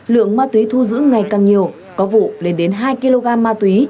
lượng ma túy thu giữ ngày càng nhiều có vụ lên đến hai kg ma túy